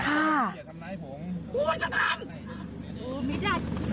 โอ๊ยผู้ใหญ่